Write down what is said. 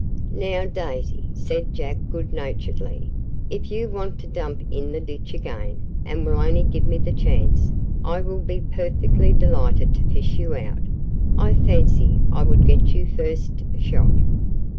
"Now, Daisy," said Jack good naturedly, "if you want to dump in the ditch again, and will only give me the chance, I will be perfectly delighted to fish you out: I fancy I would get you first shot."